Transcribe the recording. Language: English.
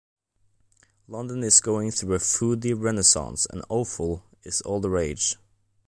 London is going through a foodie renaissance and offal is all the rage.